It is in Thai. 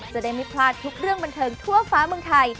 จะได้ไม่พลาดทุกเรื่องบันเทิงทั่วฟ้าเมืองไทย